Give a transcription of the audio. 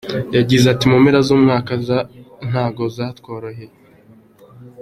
Yagize ati “Impera z’umwaka ntago zatworoheye.